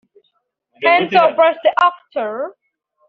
HensonBest Actor